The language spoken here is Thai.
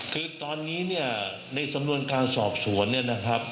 คือตอนนี้เนี่ยในสำนวนการสอบสวนเนี่ยนะครับ